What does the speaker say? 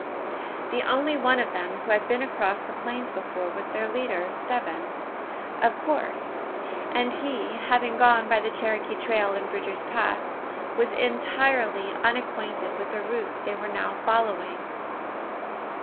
The only one of them who had been across the plains before was their leader Stebbins, of course and he, having gone by the Cherokee trail and Bridger's Pass, was entirely unacquainted with the route they were now following.